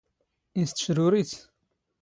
ⵉⵙ ⵜⵛⵔⵓⵔⵉⵜ?